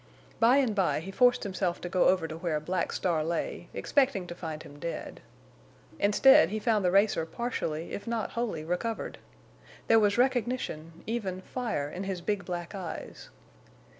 By and by he forced himself to go over to where Black Star lay, expecting to find him dead. Instead he found the racer partially if not wholly recovered. There was recognition, even fire, in his big black eyes.